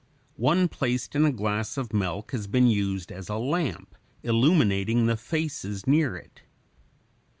One placed in a glass of milk has been used as a lamp, illuminating the faces near it.